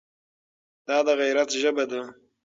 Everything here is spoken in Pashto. دا د غیرت ژبه ده.